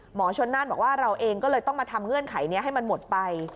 หมอชนน่านบอกว่าเราเองก็เลยต้องมาทำเงื่อนไขนี้ให้มันหมดไป